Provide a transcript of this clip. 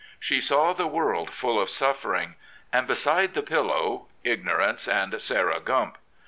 She saw the world full of suffering, and beside the pillow — ignorance and Sarah Gamp.